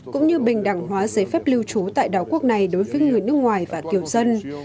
cũng như bình đẳng hóa giấy phép lưu trú tại đảo quốc này đối với người nước ngoài và kiều dân